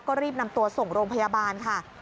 ก็รีบนำตัวส่งโรงพยาบาลค่ะ